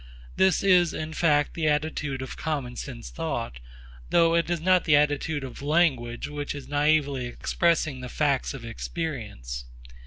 This is in fact the attitude of common sense thought, though it is not the attitude of language which is naïvely expressing the facts of experience.